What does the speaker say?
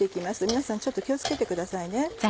皆さんちょっと気を付けてくださいね。